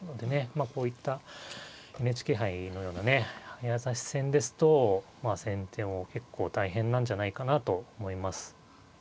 まあこういったＮＨＫ杯のようなね早指し戦ですと先手も結構大変なんじゃないかなと思います。